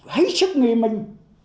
hãy sức nguyên minh